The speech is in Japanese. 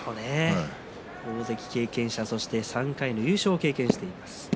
大関経験者、そして３回の優勝経験しています。